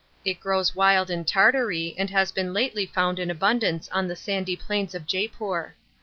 It grows wild in Tartary, and has been lately found in abundance on the sandy plains of Jeypoor.